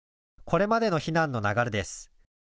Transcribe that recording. これまでの避難の流れです。